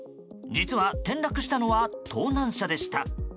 実は、転落したのは盗難車でした。